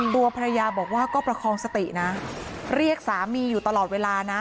ตัวภรรยาบอกว่าก็ประคองสตินะเรียกสามีอยู่ตลอดเวลานะ